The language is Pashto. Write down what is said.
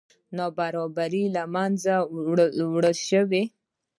نابرابرۍ له منځه یوړل شي.